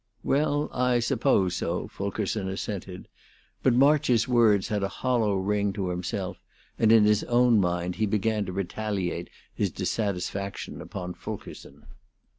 "Well, I suppose so," Fulkerson assented; but March's words had a hollow ring to himself, and in his own mind he began to retaliate his dissatisfaction upon Fulkerson.